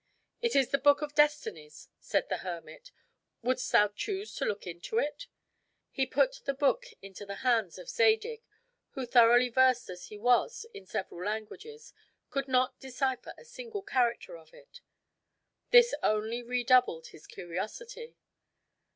"It is the Book of Destinies," said the hermit; "wouldst thou choose to look into it?" He put the book into the hands of Zadig, who, thoroughly versed as he was in several languages, could not decipher a single character of it. This only redoubled his curiosity.